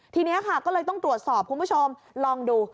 ทีนี้ค่ะก็เลยต้องตรวจสอบคุณผู้ชมลองดู